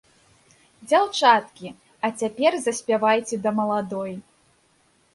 Дзяўчаткі, а цяпер заспявайце да маладой.